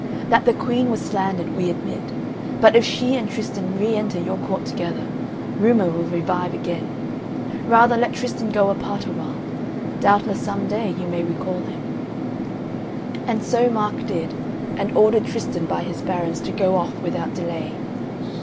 That the Queen was slandered we admit, but if she and Tristan re enter your court together, rumour will revive again. Rather let Tristan go apart awhile. Doubtless some day you may recall him." And so Mark did, and ordered Tristan by his barons to go off without delay.